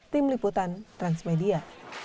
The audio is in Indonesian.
tim liputan transmedia